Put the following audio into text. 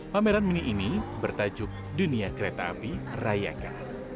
pameran mini ini bertajuk dunia kereta api rayaka